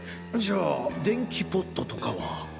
じゃあ電気ポットとかは？